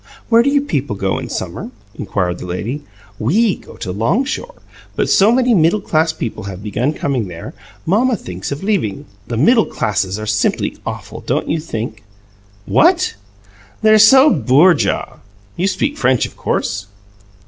"Where do your people go in summer?" inquired the lady. "WE go to Long Shore, but so many middle class people have begun coming there, mamma thinks of leaving. The middle classes are simply awful, don't you think?" "What?" "They're so boorjaw. You speak French, of course?"